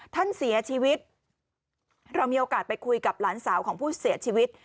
ท่านเสียชีวิตเรามีโอกาสไปคุยกับหลานสาวของผู้เสียชีวิต